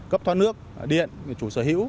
cấp thoát nước điện chủ sở hữu